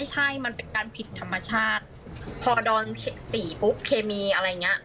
ใช่มันเป็นการผิดธรรมชาติพอกระดอนสีปุ๊บเคมีอะไรอย่างเงี้ย